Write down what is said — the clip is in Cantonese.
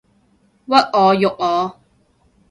屈我辱我